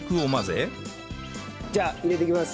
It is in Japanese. じゃあ入れていきます